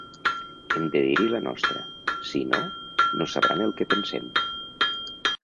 Hem de dir-hi la nostra, si no, no sabran el que pensem.